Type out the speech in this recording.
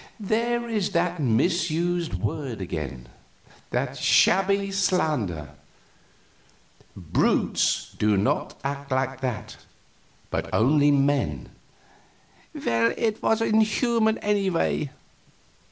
"There is that misused word again that shabby slander. Brutes do not act like that, but only men." "Well, it was inhuman, anyway."